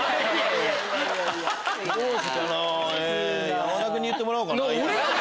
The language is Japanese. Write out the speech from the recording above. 山田君に言ってもらおうかな。